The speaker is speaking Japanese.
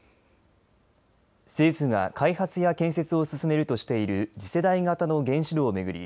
政府が開発や建設を進めるとしている次世代型の原子炉を巡り